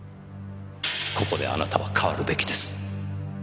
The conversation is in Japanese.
ここであなたは変わるべきです。